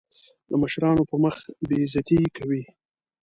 د مشرانو په مخ بې عزتي کوي.